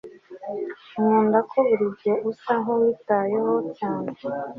Nkunda ko burigihe usa nkuwitayeho cyane